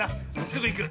すぐいく。